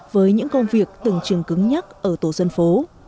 với những công việc từng chừng cứng nhắc ở tổ dân phố